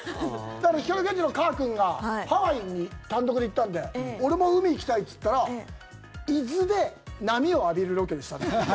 だから光ＧＥＮＪＩのかーくんがハワイに単独で行ったので俺も海に行きたいって言ったら伊豆で波を浴びるロケでしたね。